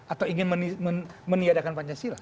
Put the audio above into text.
atau ingin meniadakan pancasila